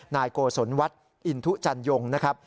นายโกศลวัฒน์อินทุจันยงนะครับ